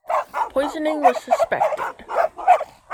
Poisoning was suspected.